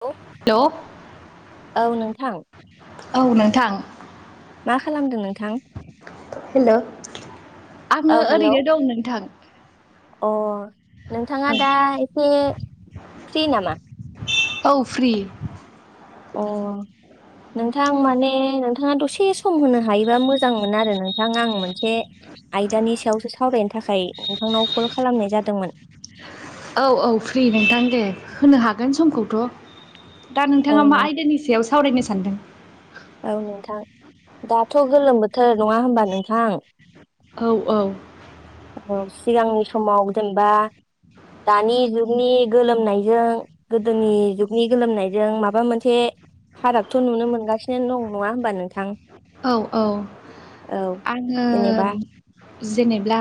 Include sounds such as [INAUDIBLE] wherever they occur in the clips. औ लौ औ नोंथां औ नोंथां। मा खालामदों नोंथां हेल' औ आङो हेलौ ओरैनो दं नोंथां। अ नोंथाङा औ दा एसे फ्रि नामा? औ फ्रि। अ नोंथां माने नोंथाङा दसे सम होनो हायोबा मोजां मोन आरो नोंथां आं मोनसे आयदानि सायावसो साव रायनो थाखाय नोंथांनाव कल खालामनाय जादोंमोन। औ औ फ्रि नोंथां दे होनो हागोन समखौथ'। दा औ नोंथाङा मा नों आयदानि सायाव सावरायनो सान्दों? औ नोंथां दाथ' गोलोम बोथोर नङा होनबा नोंथां? औ औ। औ सिगांनि समाव जेनबा दानि जुगनि गोलोमनायजों गोदोनि जुगनि गोलोमनायजों माबा मोनसे फारागथ' नुनो मोनगासिनो दं नङा होमबा नोंथां? औ औ औ आङो जेनेबा जेनेब्ला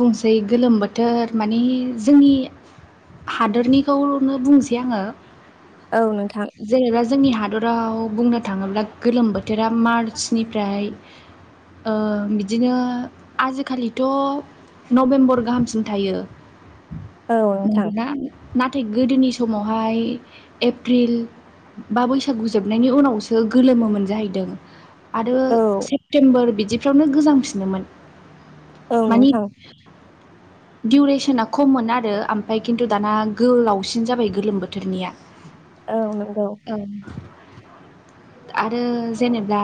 बुंसै गोलोम बोथोर माने जोंनि हादोरनिखौनो बुंसै आङो। औ नोंथां। जेनेबा जोंनि हादराव बुंनो थाङोब्ला गोलोम बोथोरा मार्चनिफ्राय ओ बिदिनो आजिखालि थ' नभेम्बर गाहामसिम थायो औ नोंथां नंगौना? नाथाय गोदोनि समावहाय एफ्रिल बा बैसागु जोबनायनि उनावसो गोलोमोमोन जाहैदों। आरो औ सेप्तेम्बर बिदिफ्रावनो गोजांफिनोमोन। औ मानि नोंथां। दिउरेसना खम मोन आरो ओमफाय खिन्थु दाना गोलावसिन जाबाय गोलोम बोथोरनिया। औ नंगौ। औ आरो जेनेब्ला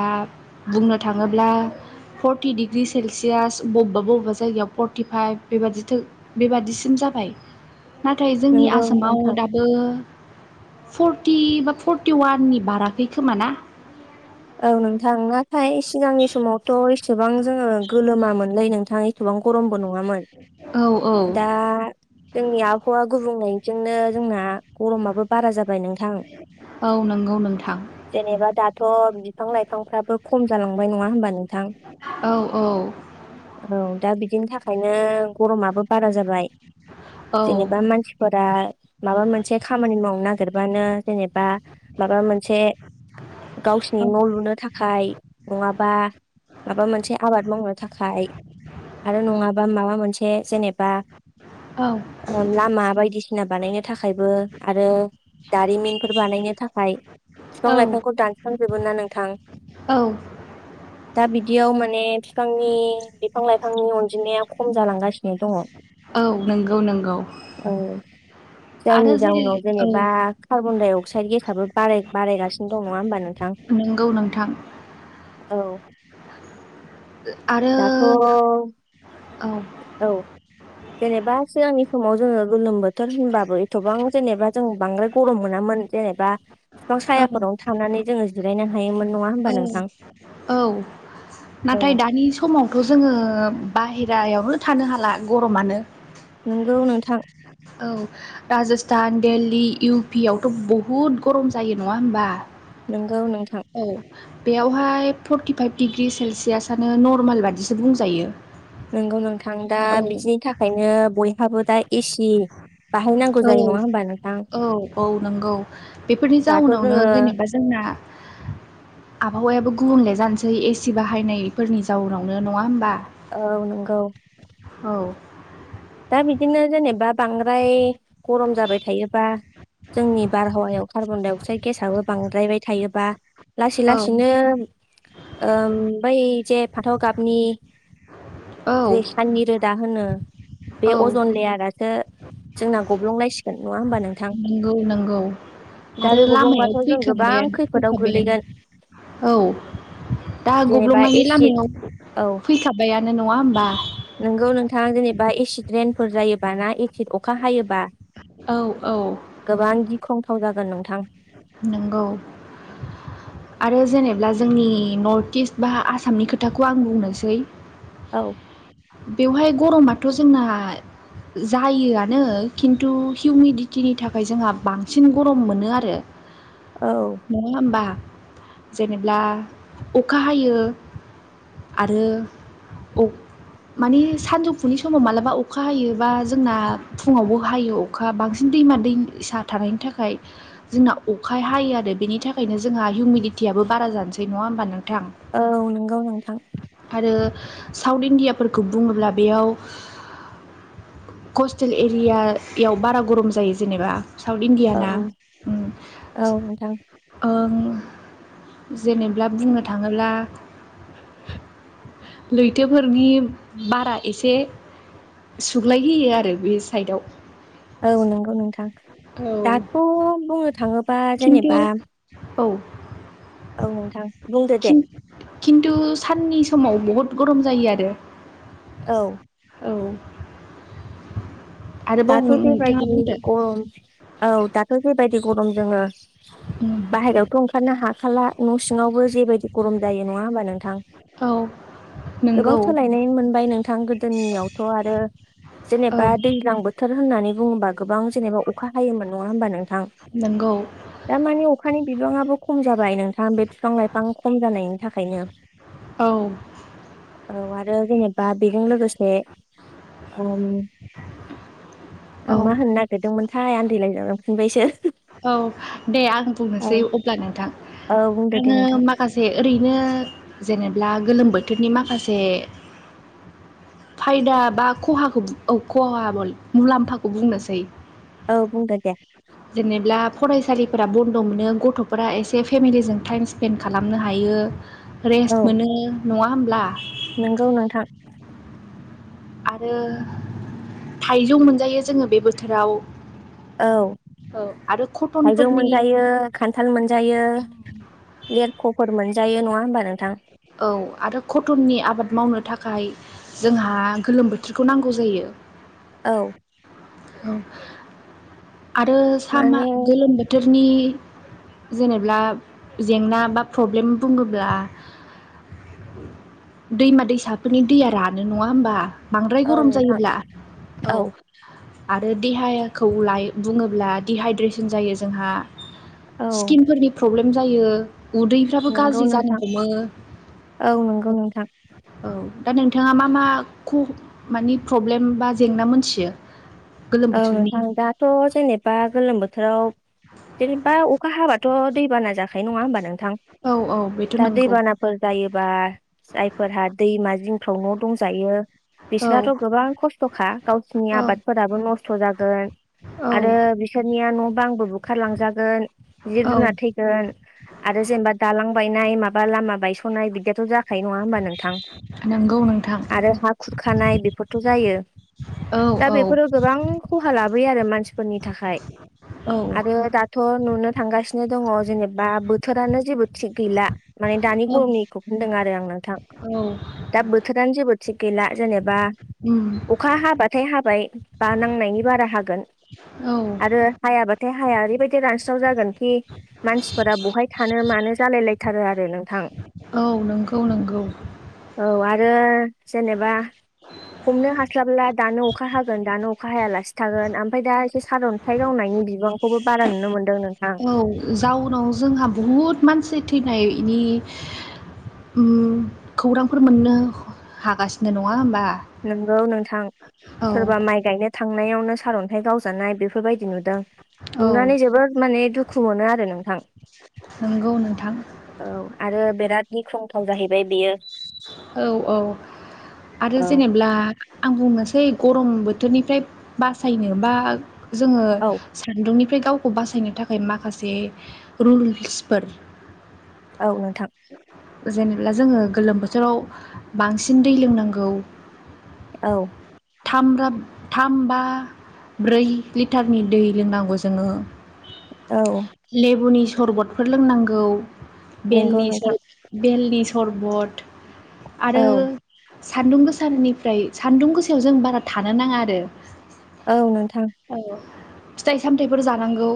बुंनो थाङोब्ला फर्टि डिग्रि सेलसियास बब्बा बबेबा जायगायाव फर्टिफाइभ बेबादिथो बेबादिसिम जाबाय नाथाय जोंनि नंगौ आसामाव नोंथां दाब बो फर्टि बा फर्टि वाननि बाराखै खोमा ना? औ नोंथां नाथाय सिगांनि समावथ' एसेबां जोङो गोलोमोनलै नोंथां ए गोबां गरमबो नङामोन औ औ दा जोंनि आबहावा गुबुंनायजोंनो जोंना गरमाबो बारा जाबाय नोंथ औ नंगौ नोंथां। जेनेबा दाथ' बिफां-लाइफांफ्राबो खम जालांबाय नङा हबा नोंथां? औ औ औ दा बिदिनि थाखाय ओंखायनो गरमाबो बारा जाबाय औ जेनेबा मानसि फोरा माबा मोनसे खामानि मावनो नागिरबानो जेनेबा माबा मोनसे गावसिनि न' लुनो थाखाय नङाबा माबा मोनसे आबाद मावनो थाखाय आरो नङाबा माबा मोनसे जेनेबा औ। ओ लामा बायदिसिना बानायनो थाखायबो आरो दारिमिनफोर बानायनो थाखाय बिफां औ लाइफांखौ दानस्रांजोबो ना नोंथां? औ दा बिदियाव माने बिफांनि बिफां- लाइफांनि अनजिमाया खम जालांगासिनो दङ। [INAUDIBLE] औ नंगौ- नंगौ। औ जायनि आरो जेरै जाहोनाव औ जेनेबा कार्नडाइ अक्साइड गेसाबो बाराय- बारायगासिनों नङा होमबा नोंथां? नोंगौ नोंथां। औ। आरो दाथ' औ औ। जेनेबा सिगांनि समाव जोङो गोलोम बोथोर होनबाबो एथ'बां जेनेबा जों बांद्राय गरम मोनामोन। जेनेबा बिफां औ सायाफोरावनो थांनानै जोङो जिरायनो हायोमोन। नङा होमबा औ नोंथां? -औ औ नाथाय दानि जु समावथ' जोङो बाहेरायावनो थानो हाला गरमानो। नोंगौ नोंथां। औ राजस्थान दिल्ली इउ पि आवथ' बहुद गरम जायो नङा होमबा। नोंगौ नोंथां। औ बेयावहाय फर्टिफाइभ डिग्र्रि सेलसियासनो नरमाल बादिसो बुंजायो। नोंगौ नोंथां दा औ बिदिनि थाखायनो बयहाबो दा एसि बाहायनांगौ औ जायो नङा होमबा नोंथां? औ औ नंगौ बेफोरनि दाथ' जाउनावनो जोङो जेनेबा जोंना आबहावायाबो गुबुनले जानोसै एसि बाहायनायफोरनि जाउनावनो नङा होमबा। औ नोंगौ। औ दा बिदिनो जेनेबा बांद्राय गरम जाबाय थायोबा जोंनि बारहावायाव कार्बन डाइ अक्साइड गेसआबो बांद्रायबाय थायोबा। लासै औ लासैनो ओ बै जे फाथाव गाबनि औ जे साननि रोदा होनो बे औ अजन लेयारासो जोंना गब्लं लासिगोन नङा होमबा नों नंगौ नंगौ दा आरो बे लामायाव गब्लंबाथ' जों गोबां फैखांबायानो खैफोदाव फैखाबायानो गोग्लैगोन औ दा जेनेबा गब्लंनायनि एसिड लामायाव औ फैखाबायानो नङा होमबा नोंगौ नोंथां जेनेबा एसिड रेन्टफोर जायोबा ना एसिड अखा हायोबा औ औ गोबां गिख्रंथाव जागोन नोंथां। नोंगौ। आरो जेनेब्ला जोंनि नर्थ इस्ट बा आसामनि खोथाखौ आं बुंनोसै औ बेवहाय गरमाथ' जोंना। जायोआनो खिन्थु हिउमिडिटिनि थाखाय जोंहा बांसिन गरम मोनो आरो। औ नङा होमबा, जेनेब्ला अखा हायो आरो अ माने साजुफुनि समाव मालाबा अखा हायोबा जोंना फुङावबो हायो। अ अखा बांसिन दैमा दैसा थानायनि थाखाय। जोंना अखाय हायो आरो बेनि थाखायनो जोंहा हिउमिडटियाबो बारा जानोसै नङा होमबा नों औ नंगौ नोंथां। आरो साउथ इण्डियाफोरखौ बुङोब्ला बेयाव। खसतेल एरिया याव बारा गरम जायो जेनेबा। साउथ इण्डिया ना औ औ नोंथां ओ जेनेब्ला बुंनो थाङोब्ला। लैथोफोरनि, बारा एसे सुग्लायहोयो आरो बे साइडआव, औ नंगौ नोंथां। औ दाथ' बुंनो थाङोबा खिन्थु जेनेबा औ औ नोंथां बुंदो दे। खिन्थु साननि समाव बहुत गरम जायो आरो। औ औ आरोबाव दाथ' बुं नोंथाङा बुंदो जेबायदि गरम, औ दाथ' जेबायदि गरम जोङो उम बाहेरायावथ' ओंखारनो हाखाला न'सिं सिङावबो जेबायदि गरम जायो नङा होमबा नोंथां। औ। गोबां नंगौ सोलायनाय मोनबाय नोंथां गोदोनियावथ' आरो औ जेनेबा दै दैज्लां बोथोर होननानै बुंङोबा गोबां जेनेबा अखा हायोमोन नङा होमबा नोंथां। नोंगौ। दामानि अखानि बिबांआबो खम जाबाय नोंथां बे फिफां लाइफां खम जानायनि थाखायनो। औ। औ आरो जेनेबा बेजों लोगोसे ओम औ आं मा होनो नागिरदोंमोनथाय आन्दालाय लांफिनबायसो औ दे आं बुंनोसै अब्ला नोंथां। औ बुंदो दे। ओ नोंथां माखासे ओरैनो जेनेब्ला गोलोम बोथोरनि माखासे फायदा बा खहाखौ औ खहा मुलाम्फाखौ बुंनोसै। औ बुंदो दे। जेनेबा फरायसालिफोरा बन्द' मोनो गथ'फोरा एसे फेमिलिजों टाइमन्स स्पेन्ड खालामनो हायो रेस्ट मोनो नङा होमब्ला। नोंगौ नोंथां। आरो थाइजौ मोनजायो जोङो बे बोथोराव। औ औ आरो थाइजौ कटनफोरनि मोनजायो खान्थाल मोनजायो लेरख'फोर मोनजायो नङा होमबा नोंथां। औ आरो कटननि आबाद मावनो थाखाय जोंहा गोलोम बोथोरखौ नांगौ जायो। औ। औ आरो सामा माने गोलोम बोथोरनि जेनेब्ला जेंना बा प्रब्लेम बुङोब्ला दैमा दैसाफोरनि दैया रानो नङा होमबा बांद्राय औ गरम नोंथां जायोब्ला औ। आरो देहाखौ ला बुङोब्ला दिहाइद्रेसन जायो जोंहा। औ स्किनफोरनि प्रब्लेम जायो उदै फोराबो नंगौ गाज्रि जानो नोंथां हमो औ नंगौ नोंथां औ दा नोंथाङा मा मा ख मानि प्रब्लेम बा जेंना मोनथियो। गोलोम औ बोथोरनि नोंथां दाथ' जेनेबा गोलोम बोथोराव जेनेबा अखा हाबाथ' दैबाना जाखायो नङा होमबा नोंथां औ औ बेथ' दा दै नंगौ बाना फोर जायोबा जायफोरहा दैमा जिंफ्राव न' दंजायो औ बिस्राथ गोबां खस्थ'खा गावसिनि औ आबादफोराबो नस्थ' जागोन। औ आरो बिसोरनिया न'बांबो बुखारलांजागोन औ जिब जुनार थैगोन। आरो जेनेबा दालां बायनाय माबा लामा बायस'नाय बिदिथ' जाखायो नङा होनोमबा नों थां नंगौ नोंथां आरो हा खुरखानाय बेफोरथ' जायो। औ दा औ बेफोरो गोबां खहा लाबोयो आरो मानसिफोरनि थाखाय औ आरो ओ दाथ' नुनो थांगासिनो दङ जेनेबा बोथोरानो जेबो थिग गैला। माने दानि औ गरमनिखौ बुंदों आरो आं नोंथां औ दा बोथोरानो जेबो थिक गैला जेनेबा होम। अखा हाबाथाय हाबाय बा नांनायनि बारा हागोन। औ। आरो हायाबाथाय हाया ओरैबायदि रानस्राव जागोन कि मानसिफोरा बहाय थानो मानो जालाय लायथारो आरो नोंथां। औ नोंगौ नोंगौ औ आरो जेनेबा हमनो हास्लाबब्ला दानो अखा हागोन दानो अखा हायालासे खिथागोन ओमफ्राय दा एसे सारन्थाइ गावनायनि बिबांखौबो बारा नुनो मोनदों नोंथां औ जाउनाव जोंहा बहुद मानसि थैनायनि खौरांफोर मोननो हागासिनो नङा होमबा नंगौ नोंथां औ सोरबा माइ गायनो थांनायावनो सारन्थाइ गावजानाय बेफोर बेफोरबायदि नुदों औ नुनानै जोबोद माने दुखु मोनो आरो नोंथां नोंगौ नोंथां औ आरो बिराद गिख्रंथाव जाहैबाय बेयो औ औ आरो औ जेनेब्ला आं बुंनोसै गरम बोथोरनिफ्राय बासायनो बा जोङो औ सान्दुंनिफ्राय गावखौ बासायनो थाखाय माखासे रुल्सफोर औ नोंथां जेनेब्ला जोङो गोलोम बोथोराव बांसिन दै लोंनांगौ औ थामब्लब थामबा ब्रै लिटारनि दै लोंनांगौ जोङो औ लेबुनि सरबतफोर लोंनांगौ नंगौ बेलनि नोंथां सर बेलनि सरबत आरो औ सान्दुं गोसानिफ्राय सान्दुं गोस सायाव जों बारा थानो नाङा आरो औ नोंथां औ फिथाइ सामथायाइफोर जानांगौ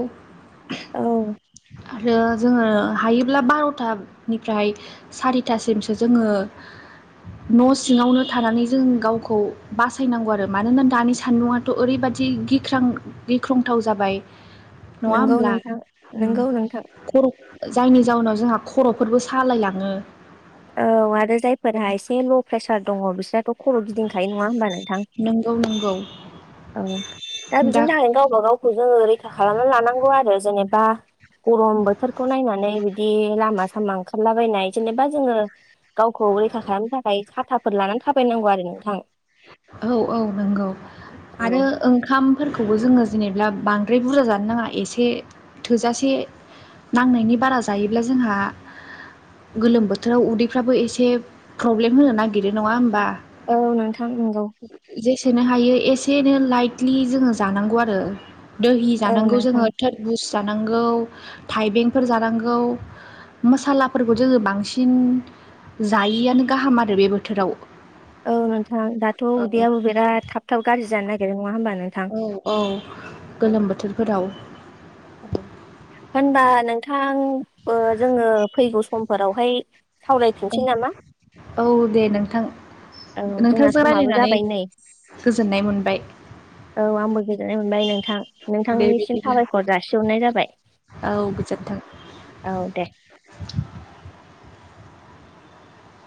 औ आरो जोङो हायोब्ला बार'थानिफ्राय सारिथासिमसो जोङो न' सिङावनो थानानै जों गावखौ बासायनांगौ आरो मानोना दानि सान्दुङाथ' ओरैबायदि गिख्रां गिख्रंथाव जाबाय नङा नंगौ होमब्ला नोंथां ओ नंगौ नोंथां खर' जायनि जाउनाव जोंहा खर'फोरबो सालायलाङो औ आरो जायफोरहा एसे ल' प्रेसार दङ बिसोरथ' खर' गिदिंखायो नङा होमबा नोंथां नोंगौ नोंगौ औ दा बिदिनो थाखायनो गावबा गाव जोङो रैखा खालामना लानांगौ आरो जेनेबा गरम बोथोरखौ नायनानै बिदि लामा सामा ओंखारलाबायनाय जेनेबा जोङो गावखौ रैखा खालामनो थाखाय साथाफोर लानानै थाबायनांगौ आरो नोंथां औ औ नंगौ नंगौ आरो ओंखामफोरखौबो जोङो जेनेबा बांद्राय बुरजा जानो नाङा एसे थोजासे नांनायनि बारा जायोब्ला जोंहा गोलोम बोथोराव उदैफ्राबो एसे प्रब्लेम होनो नागिरो नङा होमबा औ नोंथां नंगौ जेसेनो हायो एसेनो लाइटलि जोङो जानांगौ आरो दोहि औ जानांगौ नोंथां जोङो थोरबुस जानांगौ थाइबेंफोर जानांगौ मसालाफोरखौ जोङो बांसिन जायिआानो गाहाम आरो बे बोथोराव औ नोंथां दाथ' औ उदैयाबो बिराद थाब थाब गाज्रि जानो नागिरो नङा होमबा नोंथां उम गोलोम बोथोरफोराव उम होनबा नोंथां जोङो फैगौ समफोरावहाय ओं सावरायफिनसै नामा? औ दे नोंथां औ जोंना नोंथांजों समाबो रायज्लायनानै जाबाय नै गोजोननाय मोनबाय औ आंबो गोजोननाय मोनबाय नोंथां दे नोंथांनिसिम बिदिब्ला साबायखर जासिहरनाय जाबाय औ गोजोन्थों औ दे